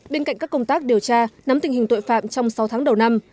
bên cạnh các công tác điều tra nắm tình hình tội phạm trong sáu tháng đầu năm